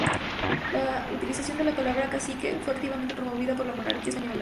La utilización de la palabra cacique fue activamente promovida por la monarquía española.